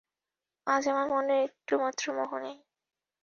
আজ আমার মনে একটুমাত্র মোহ নেই।